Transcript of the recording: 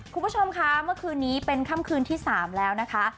คุณผู้ชมคะเมื่อคืนนี้เป็นค่ำคืนที่๓แล้วนะคะ